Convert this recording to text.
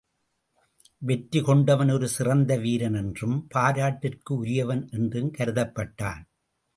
வெற்றி கொண்டவன் ஒரு சிறந்த வீரன் என்றும், பாராட்டிற்கு உரியவன் என்றும் கருதப்பட்டான்.